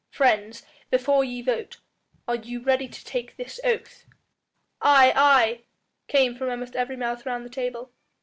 Friends, before ye vote, are you ready to take this oath?" "Aye! aye!" came from almost every mouth round the table.